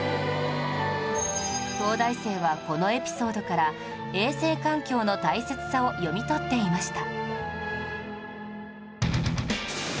東大生はこのエピソードから衛生環境の大切さを読み取っていました